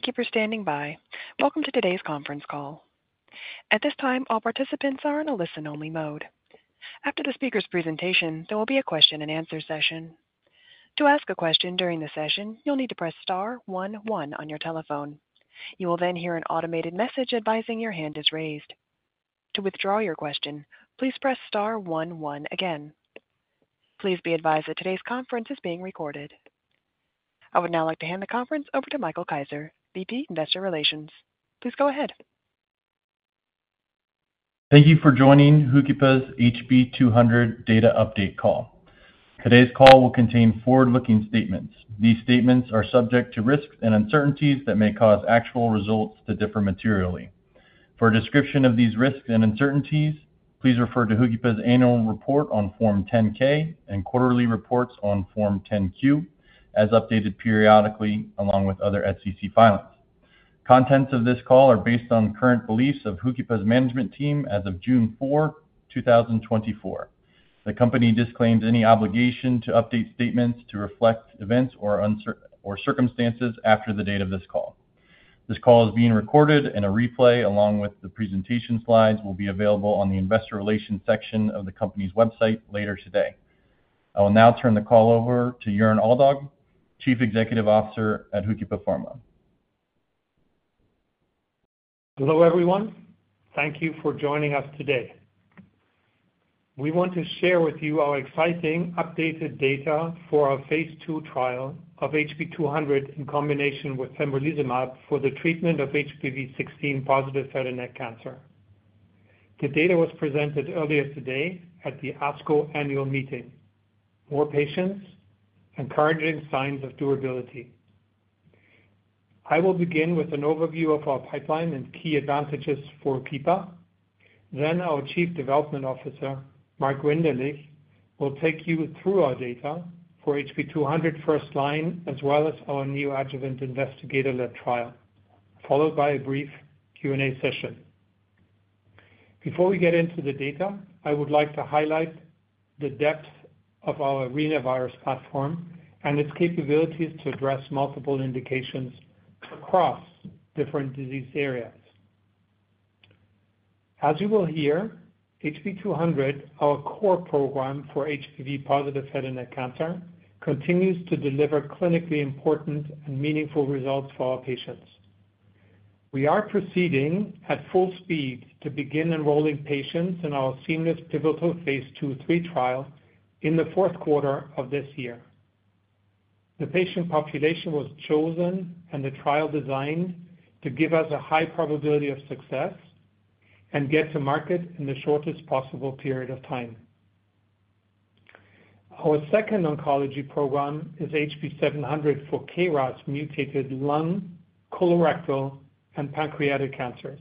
Thank you for standing by. Welcome to today's conference call. At this time, all participants are in a listen-only mode. After the speaker's presentation, there will be a question-and-answer session. To ask a question during the session, you'll need to press star one one on your telephone. You will then hear an automated message advising your hand is raised. To withdraw your question, please press star one one again. Please be advised that today's conference is being recorded. I would now like to hand the conference over to Michael Kaiser, VP Investor Relations. Please go ahead. Thank you for joining HOOKIPA's HB-200 data update call. Today's call will contain forward-looking statements. These statements are subject to risks and uncertainties that may cause actual results to differ materially. For a description of these risks and uncertainties, please refer to HOOKIPA's annual report on Form 10-K and quarterly reports on Form 10-Q, as updated periodically, along with other SEC filings. Contents of this call are based on current beliefs of HOOKIPA's management team as of June 4, 2024. The company disclaims any obligation to update statements to reflect events or uncertainties or circumstances after the date of this call. This call is being recorded, and a replay, along with the presentation slides, will be available on the investor relations section of the company's website later today. I will now turn the call over to Jörn Aldag, Chief Executive Officer at HOOKIPA Pharma. Hello, everyone. Thank you for joining us today. We want to share with you our exciting updated data for our phase II trial of HB-200 in combination with pembrolizumab for the treatment of HPV-16 positive head and neck cancer. The data was presented earlier today at the ASCO annual meeting. More patients, encouraging signs of durability. I will begin with an overview of our pipeline and key advantages for HOOKIPA. Then our Chief Development Officer, Mark Winderlich, will take you through our data for HB-200 first line, as well as our neoadjuvant investigator-led trial, followed by a brief Q&A session. Before we get into the data, I would like to highlight the depth of our arenavirus platform and its capabilities to address multiple indications across different disease areas. As you will hear, HB-200, our core program for HPV positive head and neck cancer, continues to deliver clinically important and meaningful results for our patients. We are proceeding at full speed to begin enrolling patients in our seamless pivotal phase II/III trial in the fourth quarter of this year. The patient population was chosen and the trial designed to give us a high probability of success and get to market in the shortest possible period of time. Our second oncology program is HB-700 for KRAS mutated lung, colorectal, and pancreatic cancers.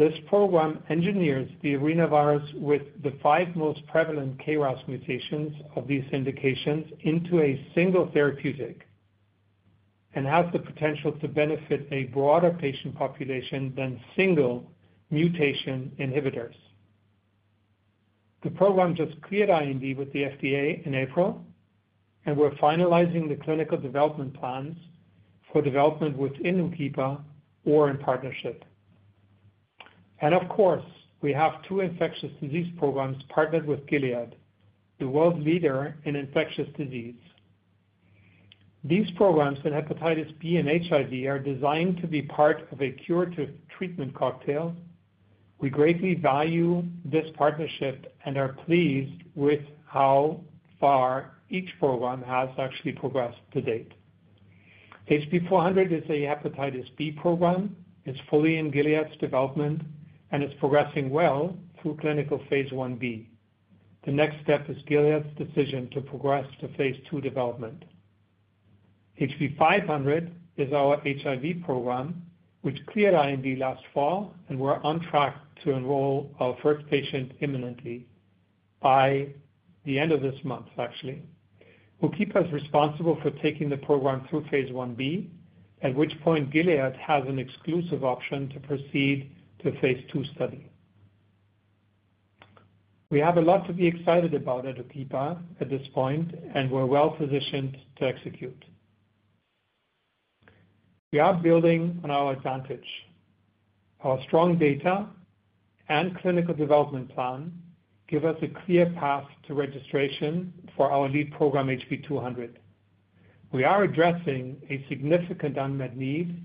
This program engineers the arenavirus with the five most prevalent KRAS mutations of these indications into a single therapeutic and has the potential to benefit a broader patient population than single mutation inhibitors. The program just cleared IND with the FDA in April, and we're finalizing the clinical development plans for development within HOOKIPA or in partnership. Of course, we have two infectious disease programs partnered with Gilead, the world leader in infectious disease. These programs in hepatitis B and HIV are designed to be part of a curative treatment cocktail. We greatly value this partnership and are pleased with how far each program has actually progressed to date. HB-400 is a hepatitis B program, it's fully in Gilead's development, and it's progressing well through clinical phase IB. The next step is Gilead's decision to progress to phase II development. HB-500 is our HIV program, which cleared IND last fall, and we're on track to enroll our first patient imminently, by the end of this month, actually. HOOKIPA is responsible for taking the program through phase IB, at which point Gilead has an exclusive option to proceed to a phase II study. We have a lot to be excited about at HOOKIPA at this point, and we're well positioned to execute. We are building on our advantage. Our strong data and clinical development plan give us a clear path to registration for our lead program, HB-200. We are addressing a significant unmet need,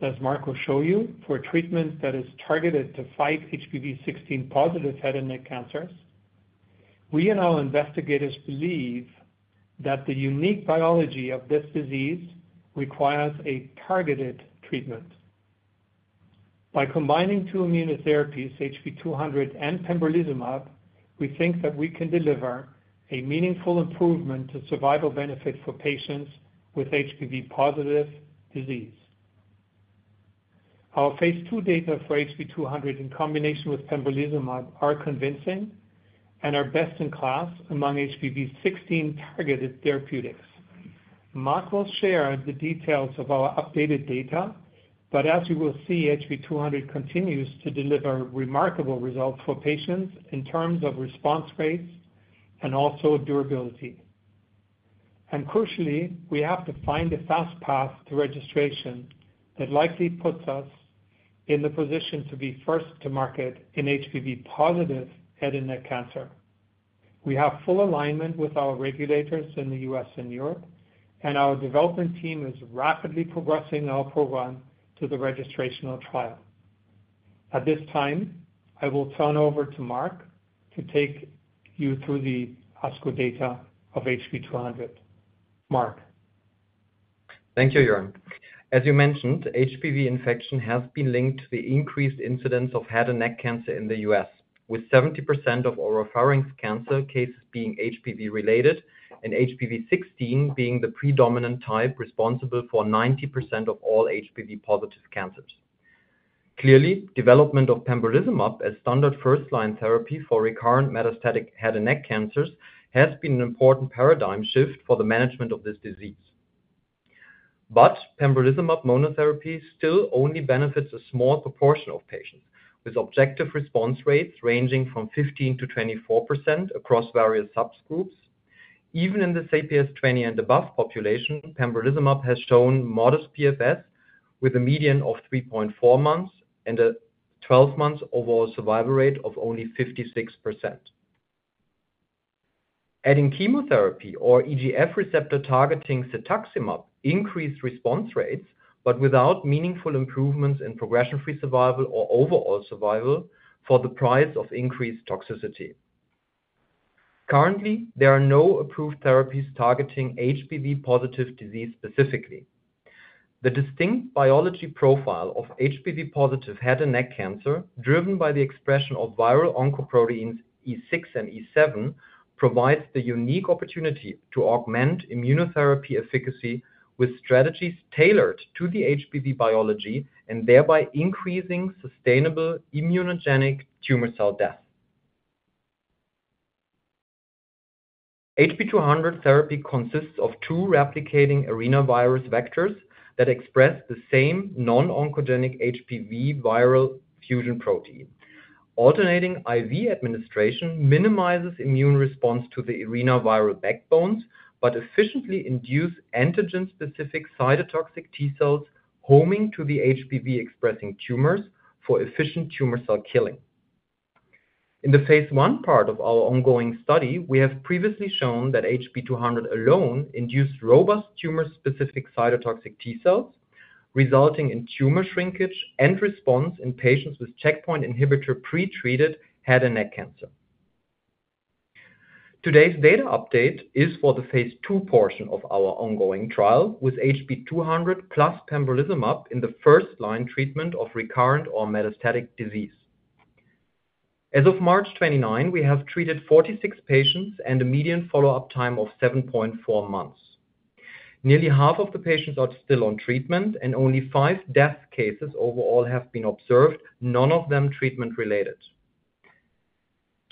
as Mark will show you, for treatment that is targeted to fight HPV-16 positive head and neck cancers. We and our investigators believe that the unique biology of this disease requires a targeted treatment. By combining two immunotherapies, HB-200 and pembrolizumab, we think that we can deliver a meaningful improvement to survival benefit for patients with HPV-positive disease. Our phase II data for HB-200 in combination with pembrolizumab are convincing and are best in class among HPV-16 targeted therapeutics. Mark will share the details of our updated data, but as you will see, HB-200 continues to deliver remarkable results for patients in terms of response rates and also durability. And crucially, we have to find a fast path to registration that likely puts us in the position to be first to market in HPV positive head and neck cancer. We have full alignment with our regulators in the U.S. and Europe, and our development team is rapidly progressing our program to the registrational trial. At this time, I will turn over to Mark to take you through the ASCO data of HB-200. Mark? Thank you, Jörn. As you mentioned, HPV infection has been linked to the increased incidence of head and neck cancer in the U.S., with 70% of oropharynx cancer cases being HPV related, and HPV-16 being the predominant type responsible for 90% of all HPV positive cancers. Clearly, development of pembrolizumab as standard first-line therapy for recurrent metastatic head and neck cancers has been an important paradigm shift for the management of this disease. But pembrolizumab monotherapy still only benefits a small proportion of patients, with objective response rates ranging from 15%-24% across various subgroups. Even in the CPS 20 and above population, pembrolizumab has shown modest PFS with a median of 3.4 months and a 12 months overall survival rate of only 56%. Adding chemotherapy or EGF receptor targeting cetuximab increased response rates, but without meaningful improvements in progression-free survival or overall survival for the price of increased toxicity. Currently, there are no approved therapies targeting HPV positive disease specifically. The distinct biology profile of HPV positive head and neck cancer, driven by the expression of viral oncoproteins E6 and E7, provides the unique opportunity to augment immunotherapy efficacy with strategies tailored to the HPV biology, and thereby increasing sustainable immunogenic tumor cell death. HB-200 therapy consists of two replicating arenavirus vectors that express the same non-oncogenic HPV viral fusion protein. Alternating IV administration minimizes immune response to the arenaviral backbones, but efficiently induce antigen-specific cytotoxic T cells homing to the HPV-expressing tumors for efficient tumor cell killing. In the phase I part of our ongoing study, we have previously shown that HB-200 alone induced robust tumor-specific cytotoxic T cells, resulting in tumor shrinkage and response in patients with checkpoint inhibitor pretreated head and neck cancer. Today's data update is for the phase II portion of our ongoing trial with HB-200 plus pembrolizumab in the first line treatment of recurrent or metastatic disease. As of March 29, we have treated 46 patients and a median follow-up time of 7.4 months. Nearly half of the patients are still on treatment, and only five death cases overall have been observed, none of them treatment-related.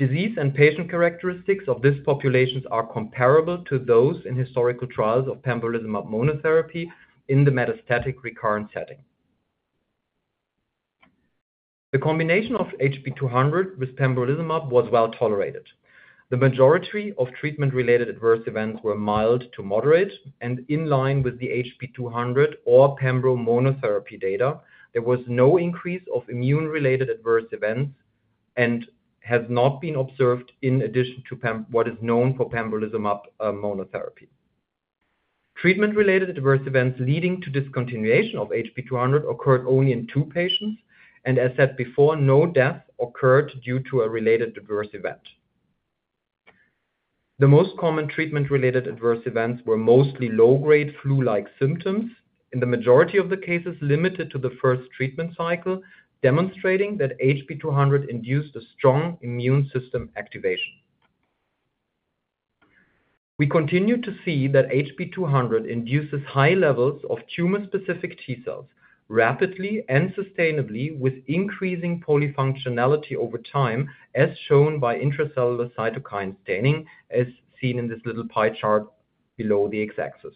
Disease and patient characteristics of these populations are comparable to those in historical trials of pembrolizumab monotherapy in the metastatic recurrent setting. The combination of HB-200 with pembrolizumab was well tolerated. The majority of treatment-related adverse events were mild to moderate and in line with the HB-200 or pembro monotherapy data. There was no increase of immune-related adverse events and has not been observed in addition to what is known for pembrolizumab monotherapy. Treatment-related adverse events leading to discontinuation of HB-200 occurred only in two patients, and as said before, no death occurred due to a related adverse event. The most common treatment-related adverse events were mostly low-grade flu-like symptoms, in the majority of the cases, limited to the first treatment cycle, demonstrating that HB-200 induced a strong immune system activation. We continue to see that HB-200 induces high levels of tumor-specific T cells rapidly and sustainably, with increasing polyfunctionality over time, as shown by intracellular cytokine staining, as seen in this little pie chart below the x-axis.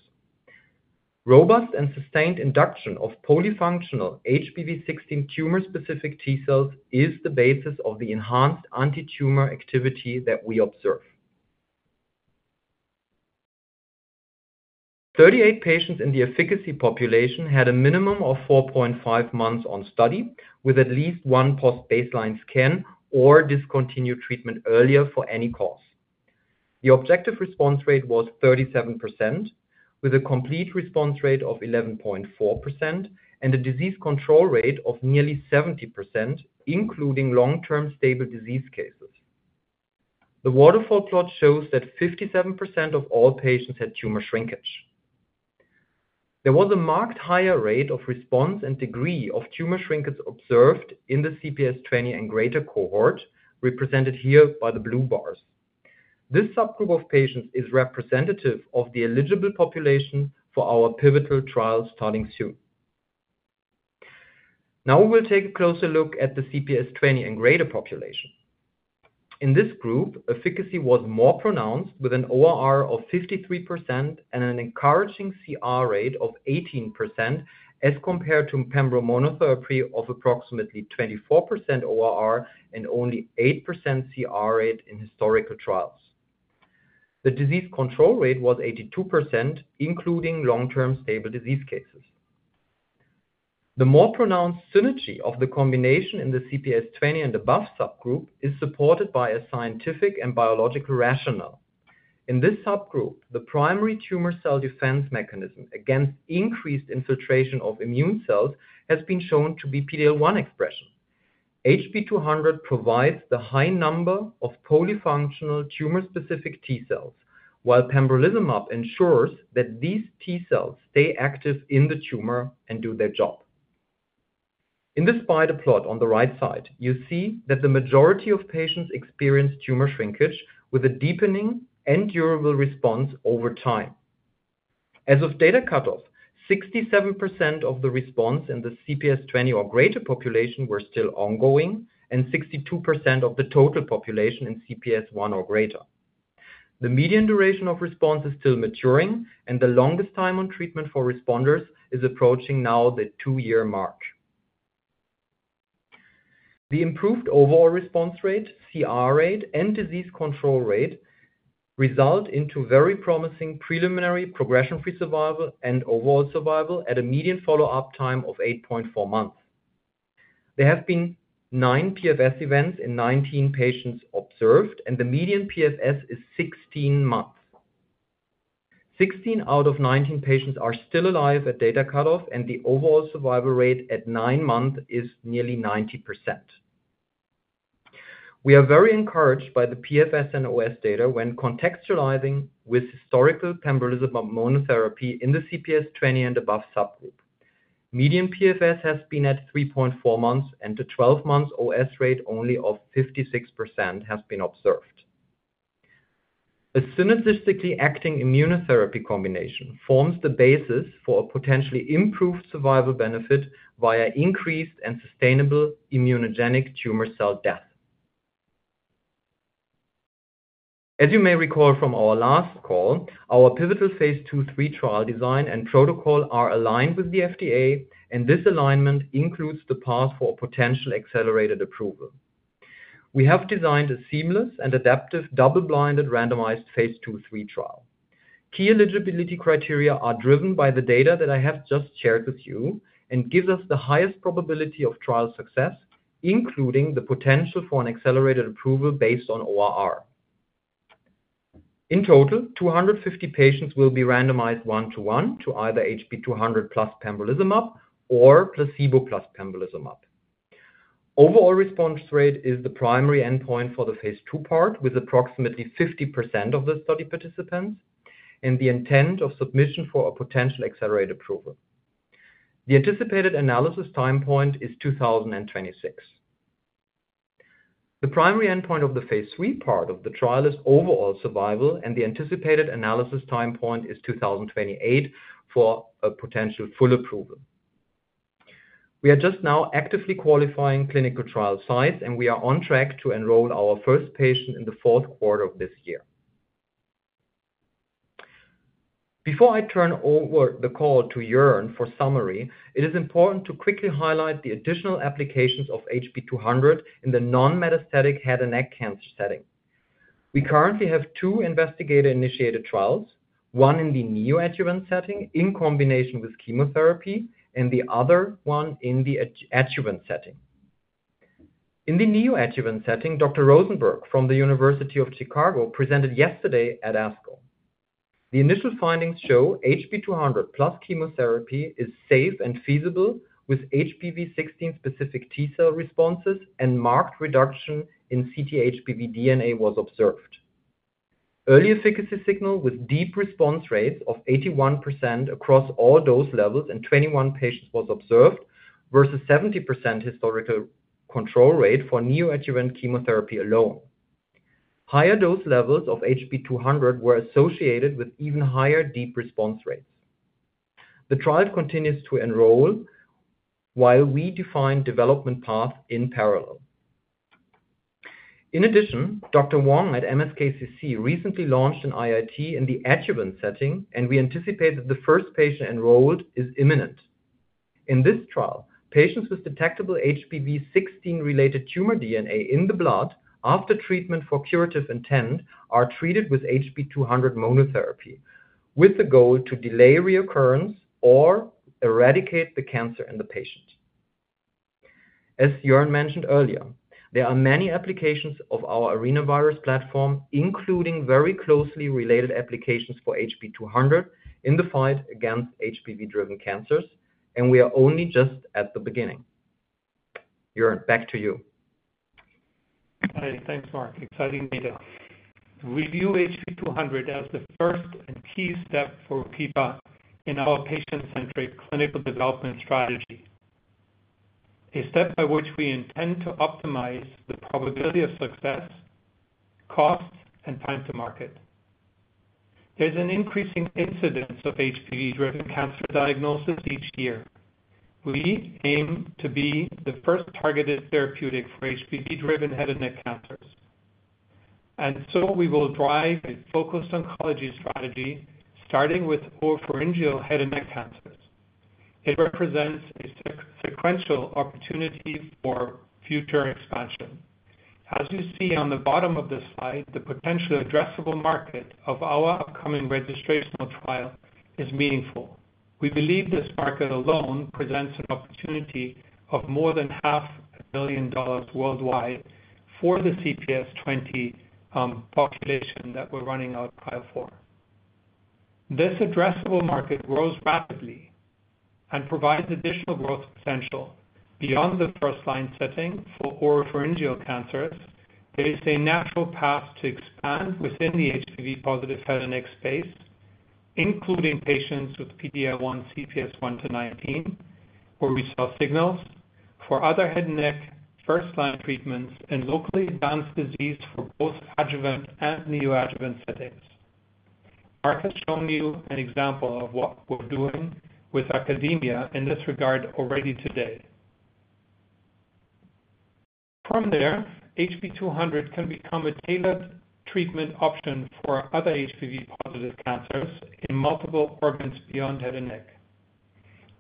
Robust and sustained induction of polyfunctional HPV-16 tumor-specific T cells is the basis of the enhanced antitumor activity that we observe. 38 patients in the efficacy population had a minimum of 4.5 months on study, with at least one post-baseline scan or discontinued treatment earlier for any cause. The objective response rate was 37%, with a complete response rate of 11.4% and a disease control rate of nearly 70%, including long-term stable disease cases. The waterfall plot shows that 57% of all patients had tumor shrinkage. There was a marked higher rate of response and degree of tumor shrinkage observed in the CPS 20 and greater cohort, represented here by the blue bars. This subgroup of patients is representative of the eligible population for our pivotal trial starting soon. Now we will take a closer look at the CPS 20 and greater population. In this group, efficacy was more pronounced, with an ORR of 53% and an encouraging CR rate of 18%, as compared to pembro monotherapy of approximately 24% ORR and only 8% CR rate in historical trials. The disease control rate was 82%, including long-term stable disease cases. The more pronounced synergy of the combination in the CPS 20 and above subgroup, is supported by a scientific and biological rationale. In this subgroup, the primary tumor cell defense mechanism against increased infiltration of immune cells, has been shown to be PD-L1 expression. HB-200 provides the high number of polyfunctional tumor-specific T-cells, while pembrolizumab ensures that these T-cells stay active in the tumor and do their job. In the spider plot on the right side, you see that the majority of patients experienced tumor shrinkage with a deepening and durable response over time. As of data cutoff, 67% of the response in the CPS 20 or greater population were still ongoing, and 62% of the total population in CPS 1 or greater. The median duration of response is still maturing, and the longest time on treatment for responders is approaching now the 2-year mark. The improved overall response rate, CR rate, and disease control rate, result into very promising preliminary progression-free survival and overall survival at a median follow-up time of 8.4 months. There have been 9 PFS events in 19 patients observed, and the median PFS is 16 months. Sixteen out of 19 patients are still alive at data cutoff, and the overall survival rate at 9 months is nearly 90%. We are very encouraged by the PFS and OS data when contextualizing with historical pembrolizumab monotherapy in the CPS 20 and above subgroup. Median PFS has been at 3.4 months, and the 12 months OS rate only of 56% has been observed. A synergistically acting immunotherapy combination forms the basis for a potentially improved survival benefit via increased and sustainable immunogenic tumor cell death. As you may recall from our last call, our pivotal phase II/III trial design and protocol are aligned with the FDA, and this alignment includes the path for potential accelerated approval. We have designed a seamless and adaptive double-blinded, randomized phase II/III trial. Key eligibility criteria are driven by the data that I have just shared with you, and gives us the highest probability of trial success, including the potential for an accelerated approval based on ORR. In total, 250 patients will be randomized 1:1 to either HB-200 plus pembrolizumab or placebo plus pembrolizumab. Overall response rate is the primary endpoint for the phase II part, with approximately 50% of the study participants, and the intent of submission for a potential accelerated approval. The anticipated analysis time point is 2026. The primary endpoint of the phase III part of the trial is overall survival, and the anticipated analysis time point is 2028 for a potential full approval. We are just now actively qualifying clinical trial sites, and we are on track to enroll our first patient in the fourth quarter of this year. Before I turn over the call to Jörn for summary, it is important to quickly highlight the additional applications of HB-200 in the non-metastatic head and neck cancer setting. We currently have two investigator-initiated trials, one in the neoadjuvant setting in combination with chemotherapy, and the other one in the adjuvant setting. In the neoadjuvant setting, Dr. Rosenberg from the University of Chicago, presented yesterday at ASCO. The initial findings show HB-200 plus chemotherapy is safe and feasible with HPV-16 specific T-cell responses, and marked reduction in ctHPV DNA was observed. Early efficacy signal with deep response rates of 81% across all dose levels in 21 patients was observed, versus 70% historical control rate for neoadjuvant chemotherapy alone. Higher dose levels of HB-200 were associated with even higher deep response rates. The trial continues to enroll while we define development path in parallel. In addition, Dr. Wong at MSKCC recently launched an IIT in the adjuvant setting, and we anticipate that the first patient enrolled is imminent. In this trial, patients with detectable HPV-16-related tumor DNA in the blood after treatment for curative intent, are treated with HB-200 monotherapy, with the goal to delay reoccurrence or eradicate the cancer in the patient. As Jörn mentioned earlier, there are many applications of our arenavirus platform, including very closely related applications for HB-200 in the fight against HPV-driven cancers, and we are only just at the beginning. Jörn, back to you. Hi. Thanks, Mark. Exciting data. We view HB-200 as the first and key step for HOOKIPA in our patient-centric clinical development strategy. A step by which we intend to optimize the probability of success, cost, and time to market. There's an increasing incidence of HPV-driven cancer diagnosis each year. We aim to be the first targeted therapeutic for HPV-driven head and neck cancers. And so we will drive a focused oncology strategy, starting with oropharyngeal head and neck cancers. It represents a sequential opportunity for future expansion. As you see on the bottom of this slide, the potential addressable market of our upcoming registrational trial is meaningful. We believe this market alone presents an opportunity of more than $500 million worldwide for the CPS 20 population that we're running our trial for. This addressable market grows rapidly and provides additional growth potential beyond the first line setting for oropharyngeal cancers. There is a natural path to expand within the HPV-positive head and neck space, including patients with PD-L1 CPS 1-19, where we saw signals for other head and neck first line treatments and locally advanced disease for both adjuvant and neoadjuvant settings. Mark has shown you an example of what we're doing with academia in this regard already today. From there, HB-200 can become a tailored treatment option for other HPV-positive cancers in multiple organs beyond head and neck.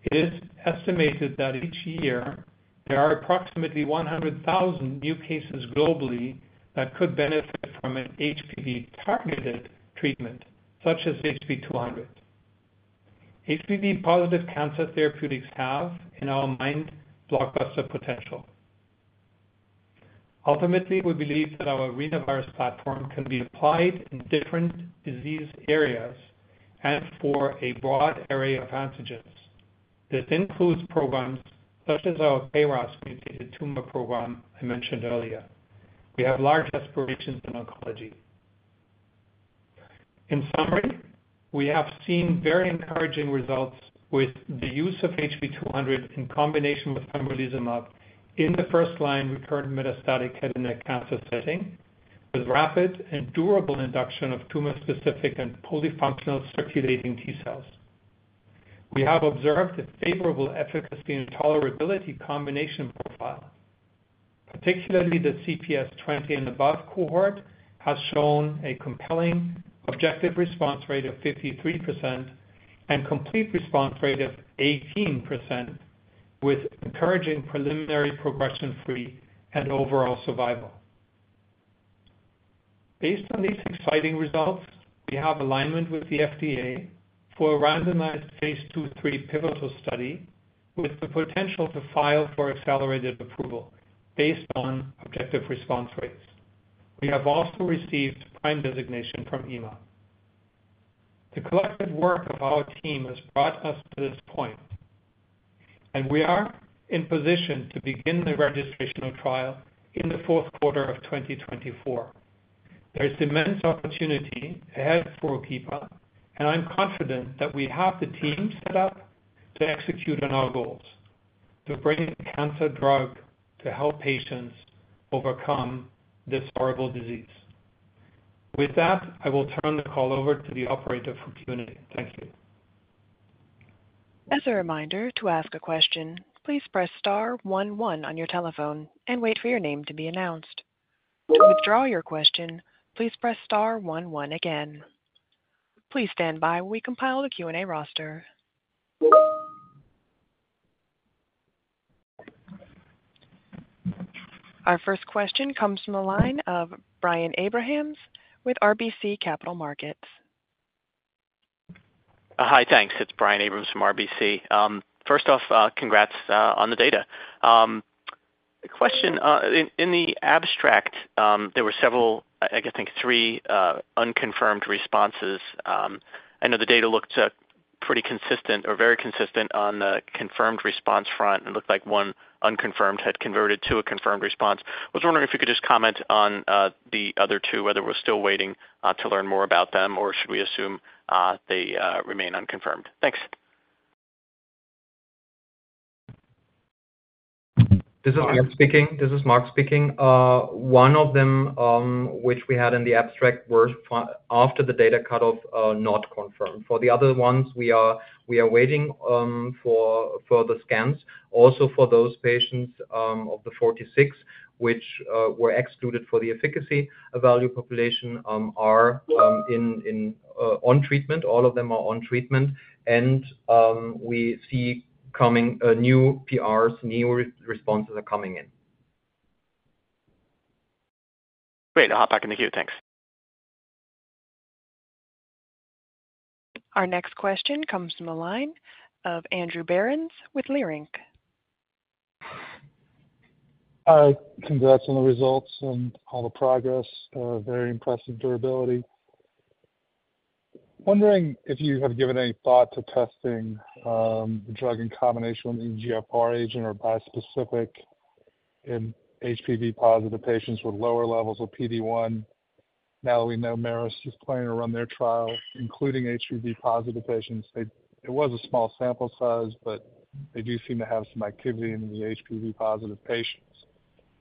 It is estimated that each year there are approximately 100,000 new cases globally that could benefit from an HPV-targeted treatment, such as HB-200. HPV-positive cancer therapeutics have, in our mind, blockbuster potential. Ultimately, we believe that our arenavirus platform can be applied in different disease areas and for a broad array of antigens. This includes programs such as our KRAS-mutated tumor program I mentioned earlier. We have large aspirations in oncology. In summary, we have seen very encouraging results with the use of HB-200 in combination with pembrolizumab in the first-line recurrent metastatic head and neck cancer setting, with rapid and durable induction of tumor-specific and polyfunctional circulating T cells. We have observed a favorable efficacy and tolerability combination profile, particularly the CPS 20 and above cohort, has shown a compelling objective response rate of 53% and complete response rate of 18%, with encouraging preliminary progression-free and overall survival. Based on these exciting results, we have alignment with the FDA for a randomized phase II/III pivotal study with the potential to file for accelerated approval based on objective response rates. We have also received PRIME designation from EMA. The collective work of our team has brought us to this point, and we are in position to begin the registrational trial in the fourth quarter of 2024. There is immense opportunity ahead for HOOKIPA, and I'm confident that we have the team set up to execute on our goals, to bring a cancer drug to help patients overcome this horrible disease. With that, I will turn the call over to the operator for Q&A. Thank you. As a reminder, to ask a question, please press star one one on your telephone and wait for your name to be announced. To withdraw your question, please press star one one again. Please stand by while we compile the Q&A roster. Our first question comes from the line of Brian Abrahams with RBC Capital Markets. Hi, thanks. It's Brian Abrahams from RBC. First off, congrats on the data. Question, in the abstract, there were several, I think three, unconfirmed responses. I know the data looked pretty consistent or very consistent on the confirmed response front. It looked like one unconfirmed had converted to a confirmed response. I was wondering if you could just comment on the other two, whether we're still waiting to learn more about them, or should we assume they remain unconfirmed? Thanks. This is Mark speaking. This is Mark speaking. One of them, which we had in the abstract, were five after the data cut off, not confirmed. For the other ones, we are waiting for the scans. Also for those patients, of the 46, which were excluded for the efficacy evaluable population, are on treatment. All of them are on treatment and, we see a new PRs coming, new responses are coming in. Great. I'll hop back in the queue. Thanks. Our next question comes from the line of Andrew Berens with Leerink. Hi, congrats on the results and all the progress. Very impressive durability. Wondering if you have given any thought to testing the drug in combination with an EGFR agent or bispecific in HPV-positive patients with lower levels of PD-1. Now that we know Merus is planning to run their trial, including HPV-positive patients. It was a small sample size, but they do seem to have some activity in the HPV-positive patients.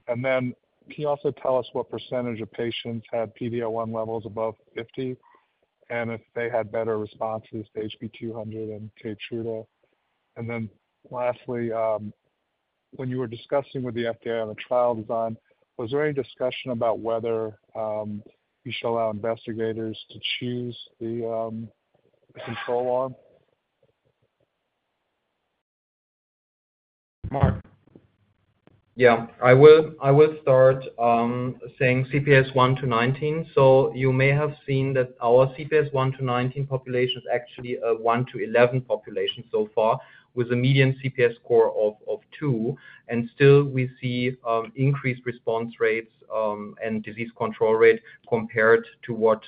And then can you also tell us what percentage of patients had PD-L1 levels above 50, and if they had better responses to HB-200 than Keytruda? And then lastly, when you were discussing with the FDA on the trial design, was there any discussion about whether you should allow investigators to choose the control arm? Mark. Yeah, I will, I will start saying CPS 1-19. So you may have seen that our CPS 1-19 population is actually a 1-11 population so far, with a median CPS score of 2. And still, we see increased response rates and disease control rate compared to what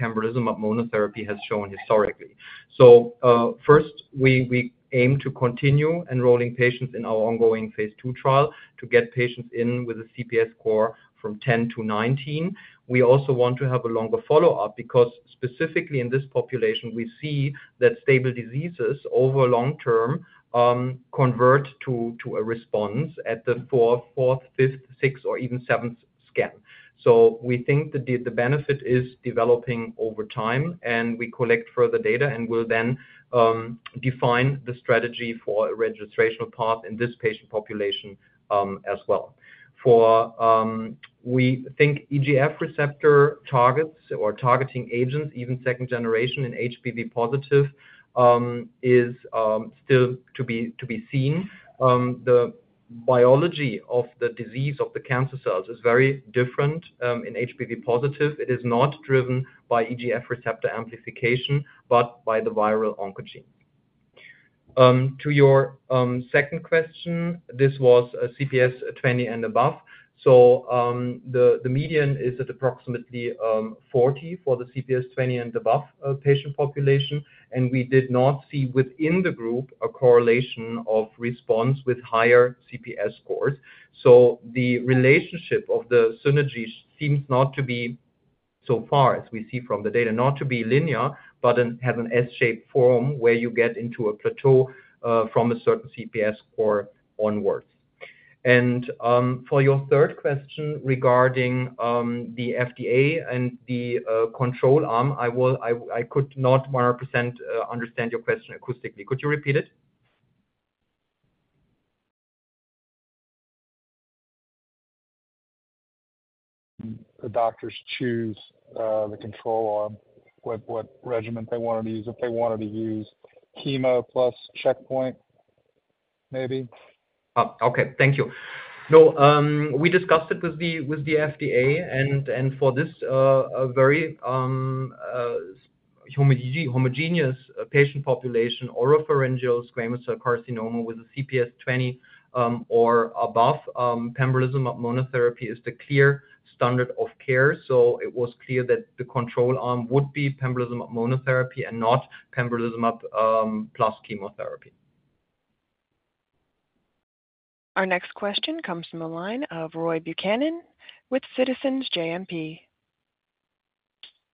pembrolizumab monotherapy has shown historically. So, first, we, we aim to continue enrolling patients in our ongoing phase II trial to get patients in with a CPS score from 10-19. We also want to have a longer follow-up, because specifically in this population, we see that stable diseases over long-term convert to a response at the fourth, fifth, sixth, or even seventh scan. So we think that the benefit is developing over time, and we collect further data, and we'll then define the strategy for a registrational path in this patient population, as well. For we think EGF receptor targets or targeting agents, even second generation in HPV positive, is still to be seen. The biology of the disease of the cancer cells is very different in HPV positive. It is not driven by EGF receptor amplification, but by the viral oncogene. To your second question, this was a CPS 20 and above. So the median is at approximately 40 for the CPS 20 and above patient population, and we did not see within the group a correlation of response with higher CPS scores. So the relationship of the synergies seems not to be, so far as we see from the data, not to be linear, but then have an S-shaped form where you get into a plateau from a certain CPS score onwards. And for your third question regarding the FDA and the control arm, I could not 100% understand your question acoustically. Could you repeat it? The doctors choose the control arm, what regimen they wanted to use, if they wanted to use chemo plus checkpoint, maybe. Okay, thank you. No, we discussed it with the FDA, and for this, a very homogeneous patient population, oropharyngeal squamous cell carcinoma with a CPS 20 or above, pembrolizumab monotherapy is the clear standard of care. So it was clear that the control arm would be pembrolizumab monotherapy and not pembrolizumab plus chemotherapy. Our next question comes from the line of Roy Buchanan with Citizens JMP.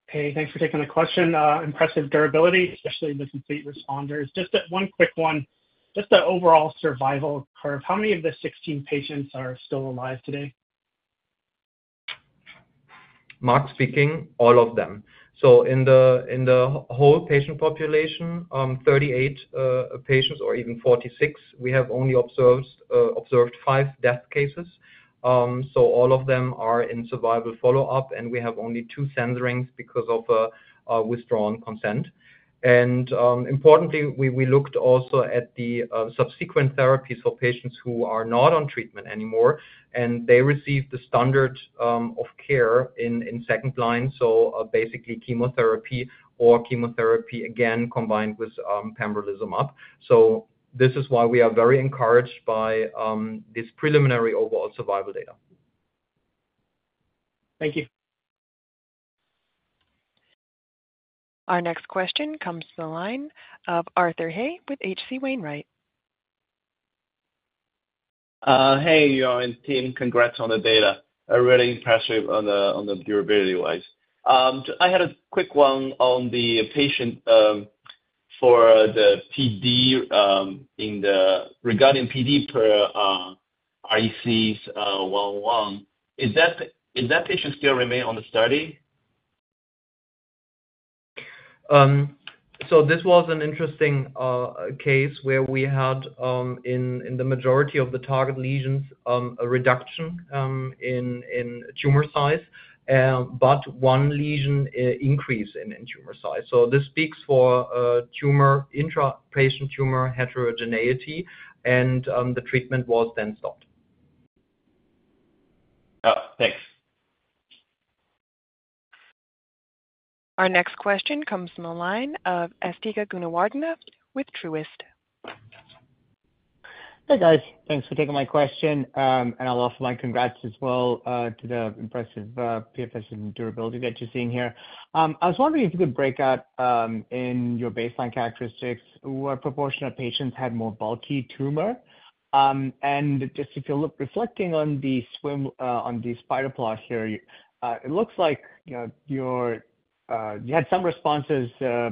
Hey, thanks for taking the question. Impressive durability, especially the complete responders. Just one quick one. Just the overall survival curve. How many of the 16 patients are still alive today? Mark speaking. All of them. So in the whole patient population, 38 patients or even 46, we have only observed five death cases. So all of them are in survival follow-up, and we have only two censorings because of withdrawn consent. Importantly, we looked also at the subsequent therapies for patients who are not on treatment anymore, and they received the standard of care in second line, so basically chemotherapy or chemotherapy again combined with pembrolizumab. So this is why we are very encouraged by this preliminary overall survival data. Thank you. Our next question comes to the line of Arthur He with H.C. Wainwright. Hey, Jörn and team. Congrats on the data. Really impressive on the durability-wise. I had a quick one on the patient for the PD, regarding PD per iRECIST 1.1. Is that patient still remain on the study? So this was an interesting case where we had, in the majority of the target lesions, a reduction in tumor size, but one lesion increase in tumor size. So this speaks for tumor intrapatient tumor heterogeneity, and the treatment was then stopped. Thanks. Our next question comes from the line of Asthika Goonewardene with Truist. Hey, guys. Thanks for taking my question, and I'll offer my congrats as well, to the impressive, PFS and durability that you're seeing here. I was wondering if you could break out, in your baseline characteristics, what proportion of patients had more bulky tumor? And just if you look- reflecting on the swim, on the spider plot here, it looks like, you know, your, you had some responses, a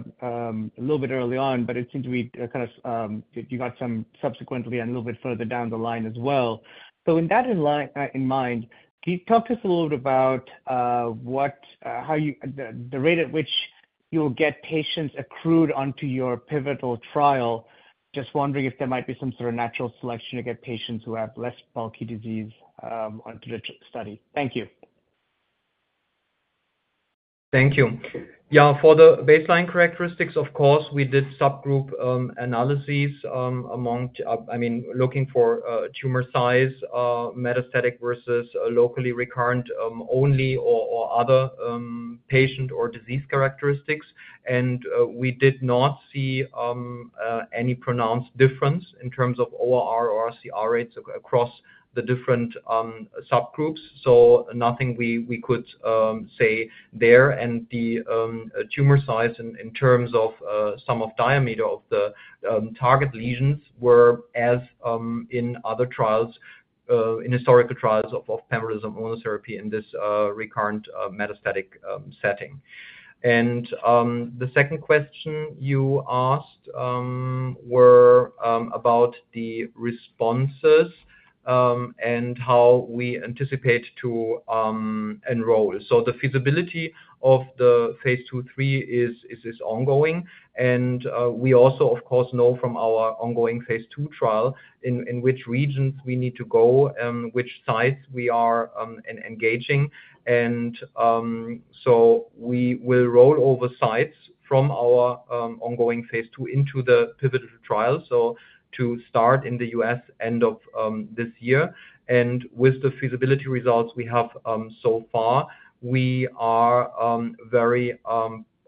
little bit early on, but it seemed to be, kind of, you got some subsequently and a little bit further down the line as well. So with that in line, in mind, can you talk to us a little bit about, the rate at which-... you'll get patients accrued onto your pivotal trial. Just wondering if there might be some sort of natural selection to get patients who have less bulky disease, onto the study. Thank you. Thank you. Yeah, for the baseline characteristics, of course, we did subgroup analyses among, I mean, looking for tumor size, metastatic versus locally recurrent, only or other patient or disease characteristics. And we did not see any pronounced difference in terms of ORR or CR rates across the different subgroups, so nothing we could say there. And the tumor size in terms of sum of diameter of the target lesions were as in other trials in historical trials of pembrolizumab monotherapy in this recurrent metastatic setting. And the second question you asked were about the responses and how we anticipate to enroll. The feasibility of the phase II/III is ongoing, and we also, of course, know from our ongoing phase II trial in which regions we need to go and which sites we are engaging. So we will roll over sites from our ongoing phase II into the pivotal trial, so to start in the U.S. end of this year. And with the feasibility results we have so far, we are very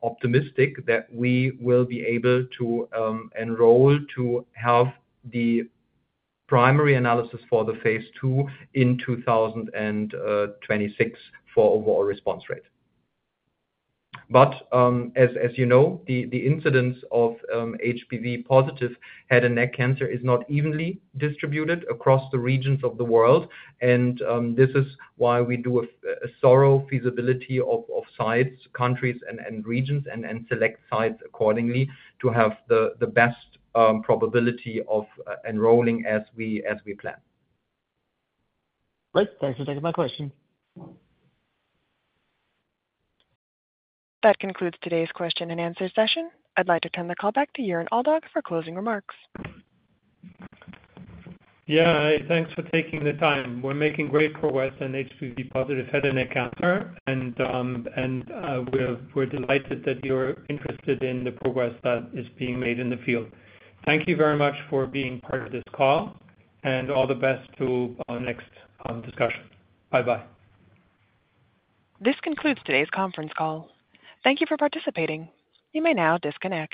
optimistic that we will be able to enroll to have the primary analysis for the phase II in 2026 for overall response rate. But as you know, the incidence of HPV positive head and neck cancer is not evenly distributed across the regions of the world. This is why we do a thorough feasibility of sites, countries, and regions, and select sites accordingly to have the best probability of enrolling as we plan. Great. Thanks for taking my question. That concludes today's question-and-answer session. I'd like to turn the call back to Jörn Aldag for closing remarks. Yeah, thanks for taking the time. We're making great progress in HPV-positive head and neck cancer, and we're delighted that you're interested in the progress that is being made in the field. Thank you very much for being part of this call, and all the best to our next discussion. Bye-bye. This concludes today's conference call. Thank you for participating. You may now disconnect.